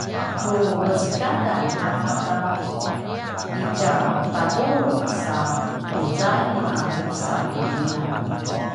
nu vecekadan a qadaw itja tapuluq sa uzai a drusa milingan